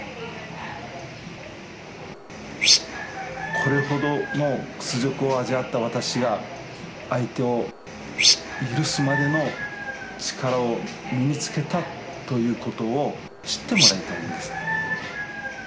これほどの屈辱を味わった私が相手を許すまでの力を身につけたということを知ってもらいたいんです。